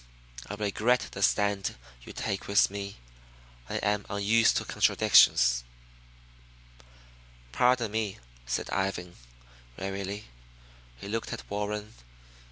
I regret the stand you take with me. I am unused to contradiction." "Pardon me," said Ivan wearily. He looked at Warren.